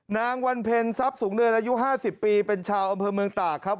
นางวันเพ็ญทรัพย์สูงเนินอายุ๕๐ปีเป็นชาวอำเภอเมืองตากครับ